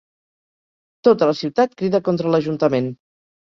Tota la ciutat crida contra l'Ajuntament.